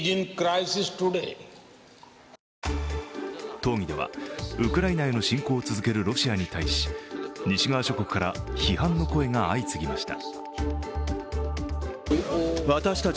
討議ではウクライナへの侵攻を続けるロシアに対し、西側諸国から批判の声が相次ぎました。